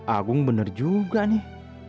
agung bener juga nih